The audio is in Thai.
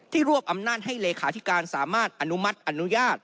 รวบอำนาจให้เลขาธิการสามารถอนุมัติอนุญาต